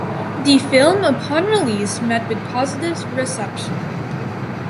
The film upon release met with positive reception.